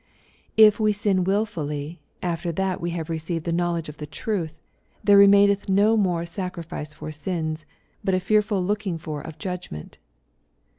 " If we sin wilfully, after that we have received the knowledge of the truth, there remaineth no more sacri fice for sins, but a fearful looking for of judgment."